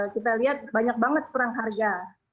kita lihat banyak banget perang harga